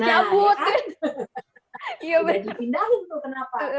dia udah dipindahin tuh kenapa